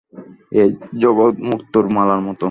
এই জগৎ মুক্তোর মালার মতো।